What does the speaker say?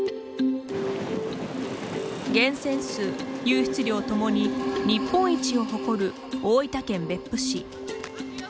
源泉数・湧出量ともに日本一を誇る大分県別府市。